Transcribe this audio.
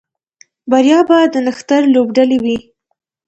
بریا به د نښتر لوبډلې وي